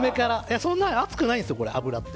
そんなに熱くないんですよ油って。